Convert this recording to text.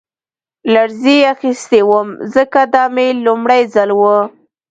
لړزې اخیستی وم ځکه دا مې لومړی ځل و